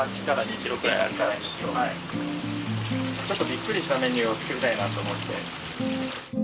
びっくりしたメニューを作りたいなと思って。